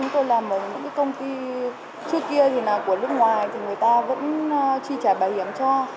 trước kia thì là của nước ngoài thì người ta vẫn tri trả bảo hiểm cho